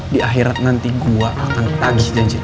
di akhirat nanti gua akan tagih janji